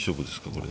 これ。